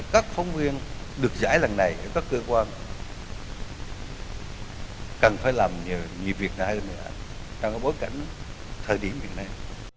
các phóng viên được giải lần này ở các cơ quan cần phải làm nhiều việc nào trong bối cảnh thời điểm hiện nay